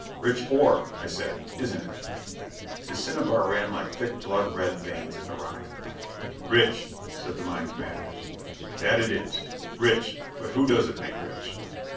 "Rich ore," I said. "Isn't it?" The cinnabar ran like thick blood red veins in the rock. "Rich," said the mine commander. "That it is. Rich. But who does it make rich?